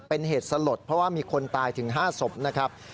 เป็นเหตุสลดเพราะว่ามีคนตายถึง๕ศพนะครับ